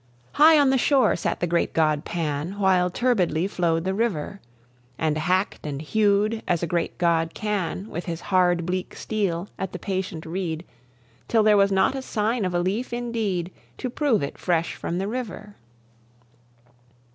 High on the shore sat the great god Pan, While turbidly flow'd the river; And hack'd and hew'd as a great god can, With his hard bleak steel at the patient reed, Till there was not a sign of a leaf indeed To prove it fresh from the river.